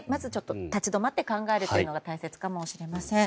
立ち止まって考えることが必要かもしれません。